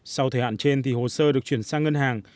sau thời hạn trên thì hồ sơ được chuyển sang ngân hàng